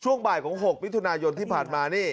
ช่วงบ่ายของ๖วิทยุทธาญนที่ผ่านมานะนี่